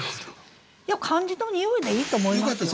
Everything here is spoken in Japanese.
いや漢字の「匂い」でいいと思いますよ。